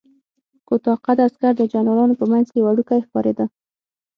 کوتاه قده عسکر د جنرالانو په منځ کې وړوکی ښکارېده.